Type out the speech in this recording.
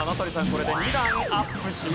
これで２段アップします。